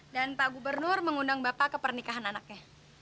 dan pak gubernur mengundang bapak ke pernikahan anaknya